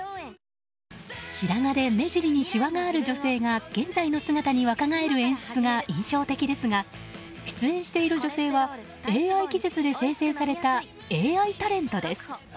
白髪で目じりにしわがある女性が現在の姿に若返る演出が印象的ですが出演している女性はＡＩ技術で生成されたＡＩタレントです。